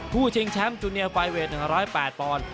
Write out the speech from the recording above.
ผู้ชิงแชมป์จูเนียลปลายเวท๑๐๘ปอนด์